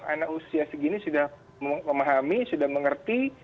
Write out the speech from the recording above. anak usia segini sudah memahami sudah mengerti